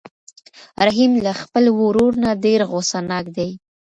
رحیم له خپل ورور نه ډېر غوسه ناک دی.